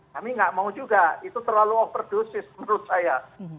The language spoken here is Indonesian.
kami nggak mau juga itu terlalu overdosis menurut saya